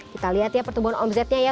kita lihat ya pertumbuhan omzetnya ya